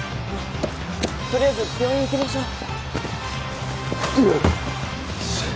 とりあえず病院行きましょう。